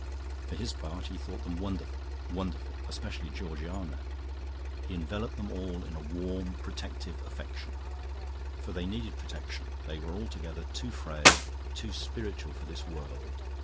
For his part, he thought them wonderful, wonderful, especially Georgiana. He enveloped them all in a warm, protective affection. For they needed protection; they were altogether too frail, too spiritual for this world.